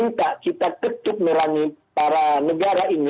nah dalam konteks itu menurut saya diskusi kita ada relevansinya